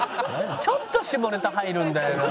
ちょっと下ネタ入るんだよな。